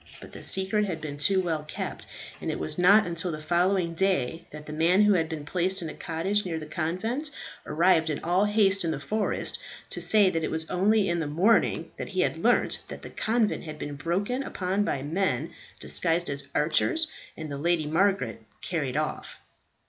But the secret had been too well kept, and it was not until the following day that the man who had been placed in a cottage near the convent arrived in all haste in the forest, to say that it was only in the morning that he had learnt that the convent had been broken open by men disguised as archers, and the Lady Margaret carried off.